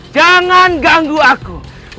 jangan ganggu aku